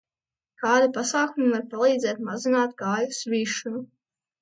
Kādi pasākumi var palīdzēt mazināt kāju svīšanu?